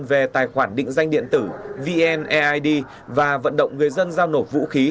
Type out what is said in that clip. về tài khoản định danh điện tử vneid và vận động người dân giao nộp vũ khí